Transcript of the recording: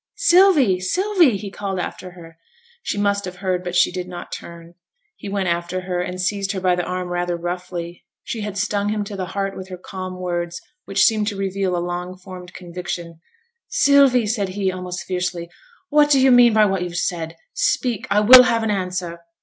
'Sylvie! Sylvie!' he called after her. She must have heard, but she did not turn. He went after her, and seized her by the arm rather roughly; she had stung him to the heart with her calm words, which seemed to reveal a long formed conviction. 'Sylvie!' said he, almost fiercely, 'what do yo' mean by what you've said? Speak! I will have an answer.'